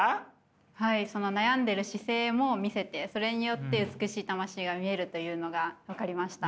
はいその悩んでいる姿勢も見せてそれによって美しい魂が見えるというのが分かりました。